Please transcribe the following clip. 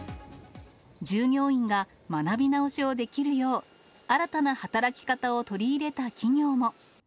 従業員が学び直しをできるよう、新たな働き方を取り入れた企業も。